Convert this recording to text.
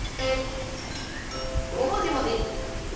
ごもじもじ！